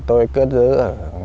tôi đã vô trường